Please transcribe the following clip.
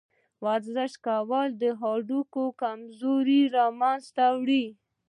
ورزش کول د هډوکو کمزوري له منځه وړي.